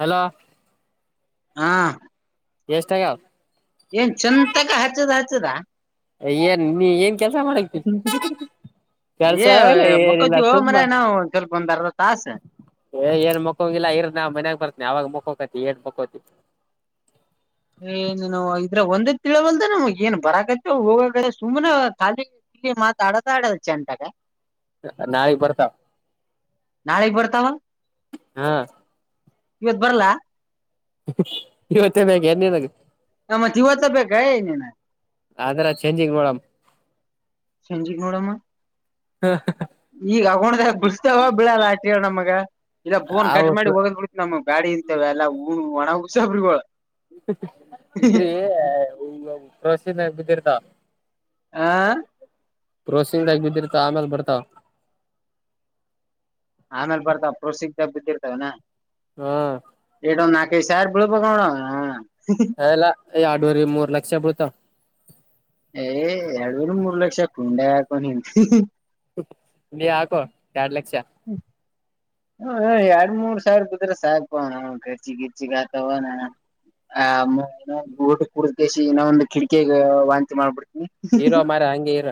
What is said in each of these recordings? Hello ಹಾ ಎಷ್ಟ ಅಗವ ಏನ್ ಚೆಂತಾಗ ಹಚ್ಚದ ಹಚ್ಚದ ಏನ್ ನೀ ಏನ್ ಕೆಲ್ಸ ಮಾಡಕ್ ಏ ಮಕ್ಕತಿವಿ ಹೋ ಮಾರಾಯ ನಾವವು ಒಂದ ಸ್ವಲ್ಪ ಒಂದ್ ಅರ್ ತಾಸ ಏ ಏನ್ ಮಕ್ಕಂಗಿಲ್ಲ ಇರ್ ನಾ ಮನ್ಯಾಗ ಬರ್ತನಿ ಅವಾಗ ಮುಕ್ಕೋಕತಿ ಏನ್ ಮಕ್ಕತಿ ಏನ್ ನ ಇದ್ರ ಒಂದ ತಿಳವಲ್ದ ನಮ್ಗೆ ಏನ್ ಬರಕತಿ ಹೋಗ ಸುಮ್ಮ್ನೆ ಖಾಲಿ ಇಲ್ಲಿ ಮಾತ್ ಆಡತ ಆಡದ ಚೆಂಟಾಗ ನಳಿಗೆ ಬರ್ತವೆ ನಾಳಿಗ್ ಬರ್ತಾವ ಇವತ್ ಬರ್ಲ್ಲ ಇವ ಚೆನಾಗಿ ಅನ್ೇಏನಾಗುತ್ತೆ ಆ ಮತ್ತೇ ಇವತೆ ಬೇಕ ನಿಂಗೆ ಆದದ್ರ ಚೇಂಜ್ಗ ನೋಡಮ್ಮ ಸಂಜಿಕ್ ನೋಡಮ್ಮ ಈಗ ಆಗೊಂಡ ಬಿಡ್ತಾವ ಬಿಳಲ್ಲ ಆಟ ನಮಗ ಇ ಫೋನ್ ಅವು ಕಟ್ ಮಾಡಿ ಹೋಗೋದ್ ಬಿಡ್ತಿ ನಮ್ ಬ್ಯಾಡಿ ಇಂತವೆಲ್ಲ ಹೂಣ ಒಣಗುಸಬ್ರಿಗಳು ಇದ್ರಿ ಕಶಿಂದಾಗ ಬಿದ್ದಿರ್ತ ಹ ಪ್ರೋಸಿಂಗಡಗ ಬಿದ್ದಿರ್ತ ಆಮೇಲ್ ಬರ್ತಾವ ಆಮೇಲೆ ಬರ್ತಾವ ಪ್ರೋತ್ಸಿಗದಗ ಬಿದ್ದಿರ್ತಾವನ ಇನ್ನಾ. ಹಾ, ನಾಕೈದು ಸಾವಿರ ಬಿಡಬಹುದು ಅಣ್ಣಾ ಹ್ಮ್, ಎ, ಇಲ್ಲಾ ಎರಡುವರಿ ಮೂರ್ ಲಕ್ಷ ಬಿಳತವ. ಏ ಎಡವರು ಮೂರು ಲಕ್ಷಕ್ಕ ಉಂಡಕನ ನೀ ಹಾಕೋ ಎಡ್ ಲಕ್ಷ ಹ ಎರಡು ಮೂರು ಸಾವಿ ಬಿದ್ರೆ ಸಾಕ್ಪ ಕರ್ಚಿ ಕಿರ್ಚಿ ಕಾತಾವ ಆ ಊಟ ಕುೂಡಕಸಿ ಇನ ಒಂದು ಕಿಟಕಿಗ ವಾಂತಿ ಮಾಡ್ಬಿಡ್ತವಿ ಇರೋ ಮಾರಯಾ ಹಂಗೆ ಇರ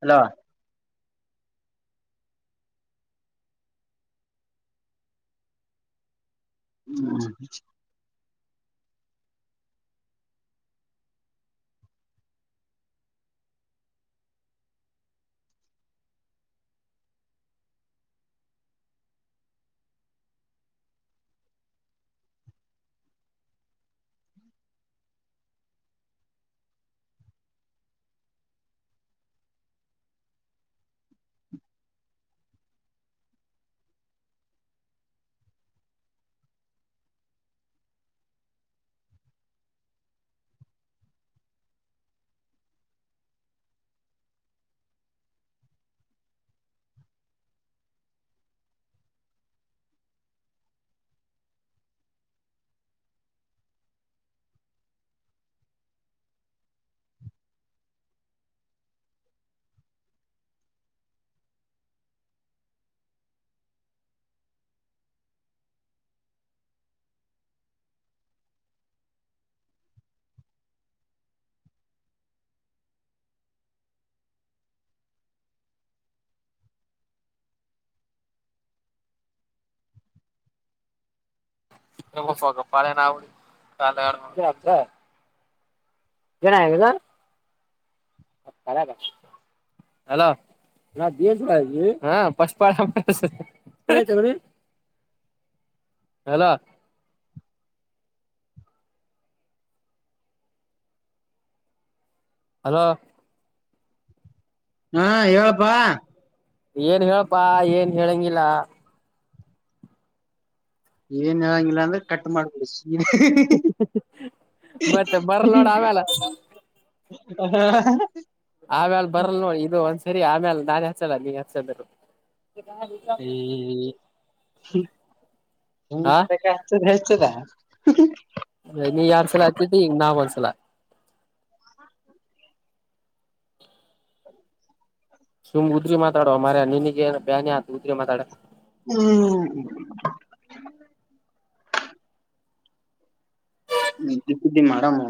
ಹಲೋ ಹ್ಮ ಸ್ಾಗ ಪಾಳ ನ ಆ ಅವ ತಾಲಗ ಆಗ್ ಕನ ಆಗ ಸ ಅಲೋ ನಾ ದೇಶ ಭ ಹ ಪಪಾಳ ಚಗ [unintelligible] ಹಲೋ, - ಹಲೋ, ಹ್ಮ್, ಹೇಳಪ್ಪಾ ಏನ್ ಹೇಳಪ್ಪಾ ಏನ್ ಹೇಳಂಗಿಲ್ಲ. ಏನ್, ಹೇಳಂಗಿಲ್ಲ ಅಂದ್ರೆ ಕಟ್ ಮಾಡ್ಬಿಸಬುಡು. ಮತ್ತೆ ಬರ್ಲ್ ನೋಡ ಹ್ಮ ಆಮ್ಯಾಲ [inaudible] ಹ್ಮ., ಆಮೇಲೆ ನಾನ್ ಹಚ್ಚಲ್ಲ ನೀ ಹಚ್ಚಂದೀರು. ಹ್ಮ ಹದಾ, [unintelligible] ನೀ ಯಾರ್ಡ ಸಲ ಅಚಿದಿ ಈಗ ನಾವ ಒಂದ್ಸಲ. ಸುಮ್ ಉದ್ರಿ ಮಾತಾಡೋ ಮಾರಾಯ ನಿನಗ ಎನ್ ಬ್ಯಾನತ ಉದ್ರಿ ಮಾತಾಡೋಕೆ. ಹ್ಮ್,. ನಿದ್ದಿ- ಪಿದ್ದಿಮಾಡಮು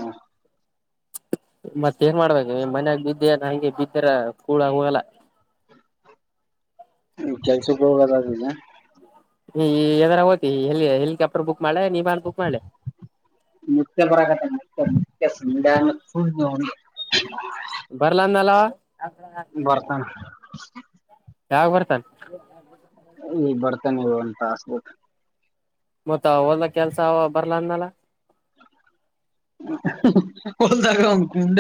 ಮತ್ತೇನ ಮಾಡ್ಬೇಕು ನೀ ಮನ್ಯಾಗ ಬಿದ್ದೇನಹಂಗೆ ಕೂಳು ಹೋಗಿಲ್ಲ. ಈ ವತ್ತಕೆಲ್ಸಕ್ಕೆ ಹೋಗದಾಗಿಲ., ಎದಾರ ಹೊಗತಿ ಹೆಲಿಕಾಪ್ಟರ್ ಹೊಗತಿ., ಮಡಲೀ ಎನ್ ಬುಕ್ ಮಾಡಲೀ‌,. ಫುಂಡ ಫುಡ್ ತೋಣಿ [inaudible] ಬರ್ಲಾ ಅಂದ್ನಲ ಅವಾ ಬರ್ತಾನ ಯಾವಗ ಬರ್ತನ್, ಈಗ ಬರ್ತಾ ನ ಒಂದತಾಸಬಿಟ್, ಮತ್ತ ಓದ ಕೆಲ್ಸ ಅವಾಬರ್ಲ ಅಂದಾನಲ್ಲ. ತ ಕುು ತ ತುಂಬ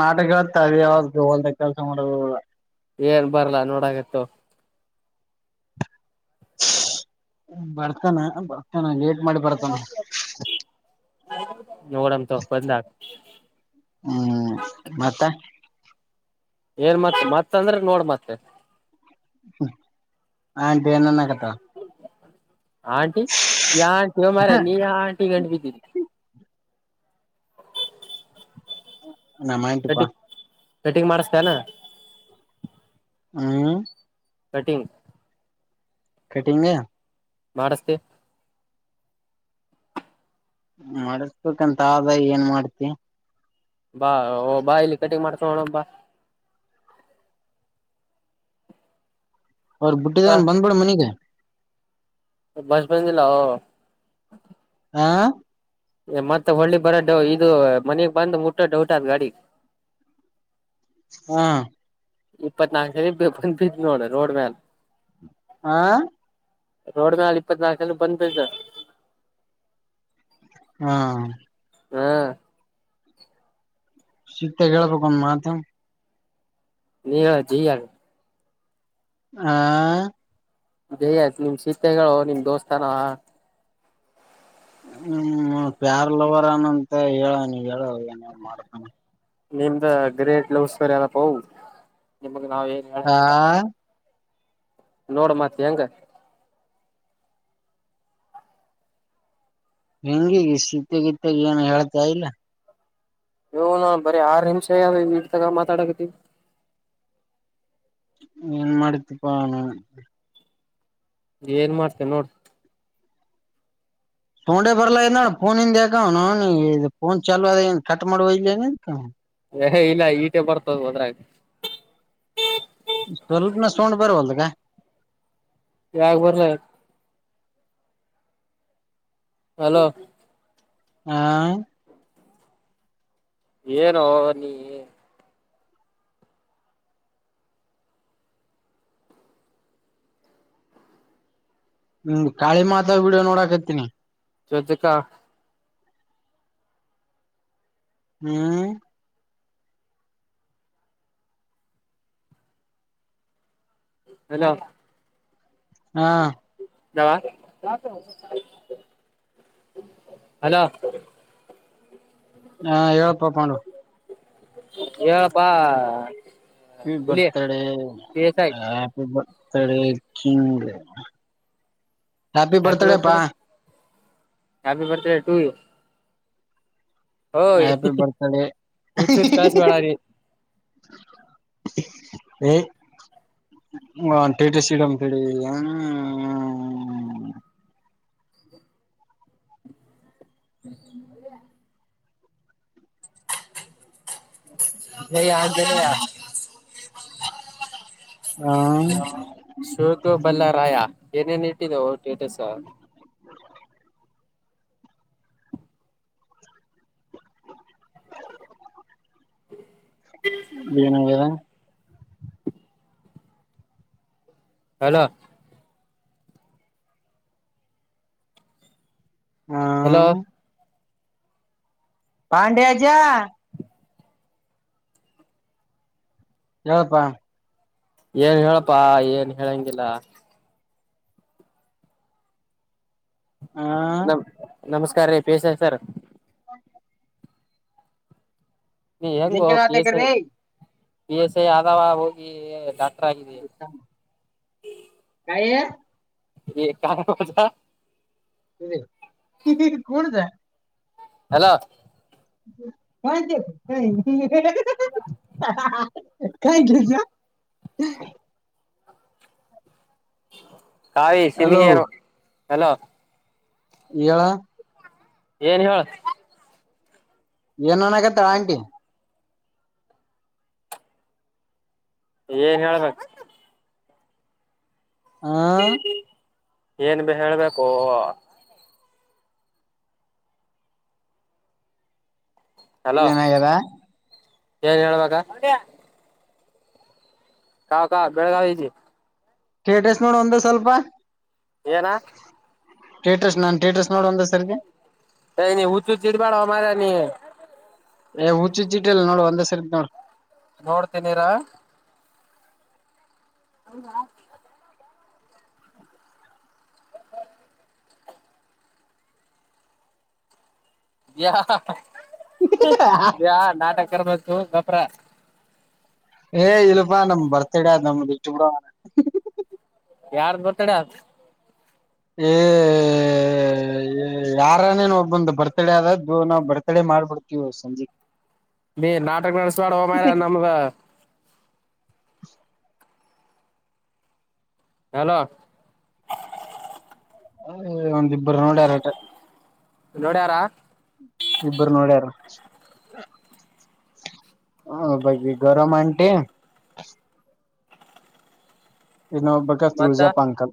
ನಟಕತ ಆದವ [inaudible] [unintelligible] ಲ್ದ ಕೆಲಸ ಮಾಡ [inaudible] ಏನ್ ಬರಲ್ಲ ನೋಡಕತಿತೋಗ, ಬರ್ತಾನ-ಬರ್ತಾನ ಲೇಟ್ ಮಾಡಿ ಬರ್ತಾನ. ನೋಡಮ್ ತೋಗೋ [unintelligible] ಬದಲಾಗ ಹ್ಮ್, ಮತ್ತಾ- ಏನ್ ಮತ್ತ ಮತ್ತ ಅಂದ್ರ ನೋಡ್ ಮತ್ತೆ. ಆಂಟಿಏನ್ ಅನ್ನಕತಾಳ. - ಆಂಟಿ ಯಾಆಂಟಿ ಓ, ಮಾರಯನಿನ್ಯಾ ಆಂಟಿಗಿ ಗಂಟ ಬಿದ್ದಿದಿ. ನಮ್ ಆಂಟೀ ಪಾ, ಕಟಿಂಗ್ - ಕಟಿಂಗ್ ಮಾಡಿಸತೇನಾ, ಹ್ಮ್,, ಕಟೀನ್ ಕಟಿೆ ಮಾಡಸ್ತೇ ಮಾಡಸ್ಬೇಕಂತ ಆದ ಏನ್ ಮಾಡ್ತಿ ಬಾ, ಓ, ಬಾ ಇಲ್ಲಿ ಕಟಿಂಗ್ ಮಾಡ್ಸಕೋ ನೋಡಮ್ ಬಾ, ಅವರ ಹ ಬುಟ್ಟಿದೇನಬಂದ್ಬೀಡುಮನಿಗಿ. - ಬಸ್ ಬಂದಿಲ್ಲೋ, ಆಾಹ. [inaudible] ಮತ್ತೆ ಹೊಳ್ಳಿ ಬರ ಡೌ ಇದು ಮನಗ್ ಬಂದ ಮುಟ್ಟೋ ದಡೌಟ್ ಅದ್ ಗಾಡಿ. [inaudible] ಹ್ಮ್, ಇಪ್ಪತ್ತ್ ನಾಲ್ಕು ಜನ ಬಂದ್ ಬಿಟ್ಟರ ನೋಡ ರೋಡ್ ಮೇಲ್., ಹಾ, ರೋಡ್ ಮೇಲ್ ಇಪ್ಪತ್ ನಾಲ್ಕು ಜನ ಬಂದ್ ಬಿತ್ತಿದ. ಹಾ ಹ್ಮ ಸಿಗ್ತಾ ಹೇಳ್ಬೇಕ ಒಂದು ಮಾತ ನೀ ಜ ಯಾರ ಹಾ ಜಯತ್ ನಿಮ್ ಶೀತೆಗಳು ನಿಮ್ ದೋಸ್ತಾನ ಹ್ಮ್ ಪ್ಯಾರ್ ಲವರನಂತ ಹೇಳ ನೀ ಹೇಳ ಏನೇನ್ ಮಾಡತಾನ ನಿಮ್ದ ಗ್ರೇಟ್ ಲವಸ್ ಸ್ಟೋರಿ ಅನಪ್ಪ ಹ ನಿಮಗ್ ನಾವ್ ಏನ್ ಹೇಳಂಗಿಲ್ಲ ಆ ನೋಡ ಮತಿ ಹೆಂಗ ಹೆಂಗಿಗ ಶೀತೆಗತ್ತಾಗ ಏನು ಹೇಳ್ತಾ ಇಲ್ಲ ನ ಬರೀ ಆರ್ ನಿಮಿಷ ಯ ಇಟ್ ತಗ ಮಾತಾಡಕತಿವಿ ಏನ್ ಮಾಡತಿಪ್ಪಾ ಅವ ಏನ್ ಮಾಡ್ತೇ ನೋಡಿ ತೊಂಡೆ ಬರ್ಲ ಇದ್ ನೋ ಫೋನ್ ನ್ ಇಿಂದ ಯಕ ನ ಫೋನ್ ಚಾಲು ಅನ್ ಕಟ್ ಮಾಡುವ ಇನ್ ಹ ಇಲ್ಲ ಈಟೆ ಬರ್ತದ ಅೊದ್ರಾಗ ಸ್ವಲ್ಪನ ಸೊಂಡ ಬರವಲ್ ಕ ಯಾಾಗ ಬರ್ರ ಹಲೋ ಹ ಏನು ನೀ ಹ್ಮ ಕಾಳಿ ಮಾತಾ ವಿಡಿಯೋ ನೋಡಾಕತೀನಿ ಚತಕ್ಕ ಹ್ಮ್ ಹಲೋ ಹಾ ನವಾ ಹಲೋ ಹಾ ಹೇಳಪ್ಪ ಪಾಂಡು ಹ ಹುಲಿ ಬರ್ತಡೆ ಕೇಸ್ ಆಗಿ ಹ ಬರ್ತ ಚ ಹ್ಯಾಪಿ ಬರ್ತಾಡಪ್ಪಾ ಹ್ಯಾಪಿ ಬರ್ತ್ಡೇ ಟು ಯು ಓಯ್ ಆ್ಯಾಪಿ ಬರ್ತಡೇ ಹುಚ್ ಹುಚ್ ಕಳ್ಸ್ಬೇಡ ನೀ ಹ್ಮ ಹ ಟಿಟ ಸಿಡ ಬಿ ಹ ಹ್ಮ ನ ಯಗಲ್ಲ ಹ ಶೋಕ ಬಲ್ಲ ರಾಯ ಏನೇನ್ ಇಟ್ಟಿದವು ಸ್ಟೇಟಸ್ ಏನಾಗಾಗಿದೆ ಹಲೋ ಹಾ ಹಲೋ ಪಾಂಡ್ಯ ಜ ಎಪ್ಪಾ ಏನ್ ಹೇಳಪ್ಪಾ ಏನ್ ಹೇಳಂಗಿಲ್ಲ ಹಾ ನಮ ನಮಸ್ಕಾರ ರೀ ಪಿ ಎಸ್ ಐ ಸರ್ ನೀ ಹೆಂಗ ಜಕ್ಕೆ ಪಿ ಎಸ್ ಐ ನಾತಕ್ರೀ ಪಿ ಎಸ್ ಐ ಆದಾವ ಹೋಗಿಾ [unintelligible] ಹ್ಮ [unintelligible] ಆಯ [unintelligible] ಈ [unintelligible] ಇ [unintelligible] ಹಲೋ ಕ [unintelligible] ಕಾ [unintelligible] ಕಾಯ್ ಹಲೋ [unintelligible] ಹಲೋ ಏಳ ಏನ್ ಏಳ. ಏನ್ ಅನ್ನಕ್ಕತಳ ಆಂಟಿ. ಏನ್ ಹೇಳ್ಬೇಕು. ಹಾ ಏನ್ ಬೆ ಹೇಳ್ಬೇಕೊ. ಹಲೋ ಏನಾಗ್ಯದ [unintelligible] ಕಾ ಕಾ ಬೆಳಗಾಗಿದಿ. [unintelligible] ನೋಡು ಒಂದೆ ಸ್ವಲ್ಪ. ಏನ [unintelligible] ಟೇಟಸ್ ನನ್ ಟೇಟಸ್. ಎ ನಿ ಹುಚ್ ಹುಚ್ ಇಡ್ ಬ್ಯಾಡೋ ಮಾರಯ ನೀ. ಏ ಹುಚ್ ಹುಚ್ ಇಟಲ್ಲ ನೋಡ್ ಒಂದ್ ಸರಿ ನೋಡ್. ನೋಡ್ತಿನಿರ. ಹೌದಾ [unintelligible] ಬ ಬ ನಾಟಕರ್ [unintelligible] ಏ ಇಲ್ಲಪಾ ನಮ್ ಬರ್ತಡೇ ಆದ್ [unintelligible] ನಮ್ದಷ್ಟು ಬಿಡ ಯಾರ್ದ್ ಬರ್ತಡೆ ಆಯ್ತು. ಏಏಏಏ [unintelligible] ಅರಾನೇ ಒಬಂದ್ ಬರ್ತಡೆ ಆದದ್ದು ನಾವು ಬರ್ತ್ಡೆ ಮಾಡ್ಬಿಡ್ತೀವಿ ಸಂಜಿಕ್ಕೆ. ನೀ ನಾಟಕ ನಡೆಸ್ಬೇಡ್ವೊ ಮಾರಾಯ ನಮ್ದ. ಹಲೋ [unintelligible] ಒಂದಿಬ್ಬರು ನೋಡ್ಯಾರಟ. ನೊಡ್ಯಾರಾ ಇಬ್ಬರು ನೋಡ್ಯಾರ. ಹ ಒಬ್ಬಾಕಿ ಗರಮ್ ಆಂಟಿ. ಇನೊಬ್ಬಕ ಮತ್ತ ತುಳ್ಜಪ್ ಅಂಕಲ್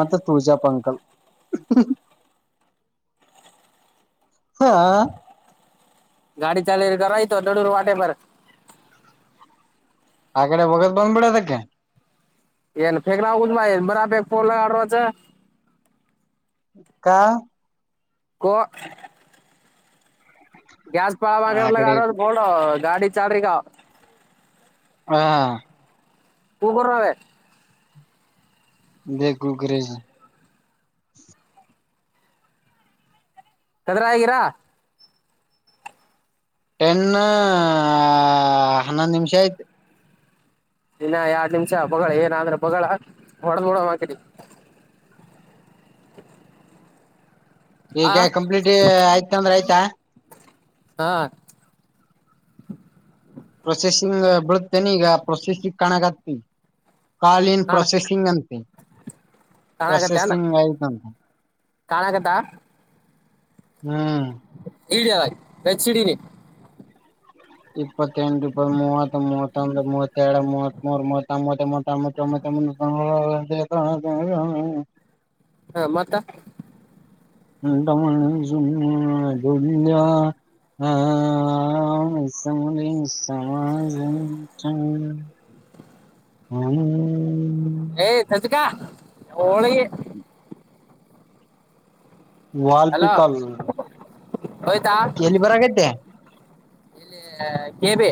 ಮತ್ತೆ ತುಳ್ಜ್ಪ ಅಂಕಲ್. ಹಾ ಗಾಡಿ ಚಾಲರಿ ಕಾಯತ [unintelligible] ದಡೂರು ವಟೆ ಬ ಆಗಡೆ ಬೋಗದ ಬಂದ್ಬಿಡದಕ್ಕೆ ಏನ್ ಕ್ ನಗುದ್ಮ ಬರಾ ಬೇ ಪಫೋಲ್ ಆಡುವಚ ಕಾ ಕೋ ಗ್ಯಾಸ್ ಪಳ ಆ ಕಡೆ [unintelligible] ಇಟ್ಟು ಕೊಡೊ ಗಾಡಿ ಚಾರಿಗ ಹಾ [unintelligible] [unintelligible] ದೇಕರೂ ರೇಜ್ ಸದ್ರ ಆಗಿರಾ. ಟೆನ್ನ್ ಹನ್ನೊಂದ್ ನಿಮಿಷ ಆಯ್ತು. ಇನ್ನ ಎರಡ್ ನಿಮಿಷ ಬೊಗಳ ಏನಾದ್ರು ಬೊಗಳ ಹೊಡದ್ ಬುಡುವ ಅಕಡಿ. ಆ ಈಕ್ಯ ಕ್ ಕಂಪ್ಲೀಟಿ ಆಯ್ತಂದ್ರೆ ಆಯ್ತಾ. ಹಾ ಪ್ರೊಸೆಸಿಂಗ್ ಬಳತೇನೆ ಈಗ ಪ್ರೊಸೆಸಿಗ್ ಕಾಣಕ್ ಆತಿ ಕಾಲ ಇನ್ ಕಾಣ ಪ್ರೊಸೆಸಿಂಗ್ ಅಂತೆ ಪ್ರೊಸೆಸಿಂಗ್ ಆಯ್ತಂತೆ ಕಾಣಾಗದಾ ಹ್ಮ್ ಇಡಿಯ ಹೆಚ್ಚಿಡೀನಿ ಇಪ್ಪತ್ತೆಂಟು ಇತ್ ಮೂ ಮೂಬ ಮೂತ್ತೆರಡು ಮೂತ್ ಮೂರ್ ಮೂ [unintelligible] [unintelligible] ಹಾ ಮತ್ತ [unintelligible] ಹ ಸಮ [unintelligible] [inaudible] ಹ್ಮ [unintelligible] ಏಯ್ ಸಚಿಕಾ ಒಳಿಗೆ ವಾಲ್ಪಿಕಾಲ್ ಹಯ್ತಾ ಎಲ್ಲಿ ಬರಗೈತೆ ಇಲ್ಲಿ ಕೇಬಿ